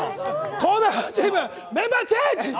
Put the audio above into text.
「東大王」チーム、メンバーチェンジ！